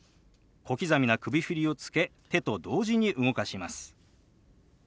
小刻みな首振りをつけ手と同時に動かします。